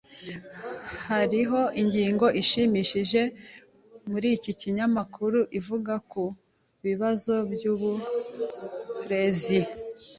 Hariho ingingo ishimishije muri iki kinyamakuru ivuga ku bibazo byuburezi.